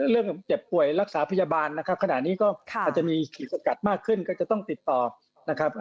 เจ็บป่วยรักษาพยาบาลนะครับขณะนี้ก็อาจจะมีขีดสกัดมากขึ้นก็จะต้องติดต่อนะครับ